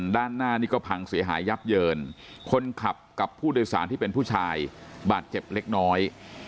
ด้านหน้านี่ก็พังเสียหายยับเยินคนขับกับผู้โดยสารที่เป็นผู้ชายบาดเจ็บเล็กน้อย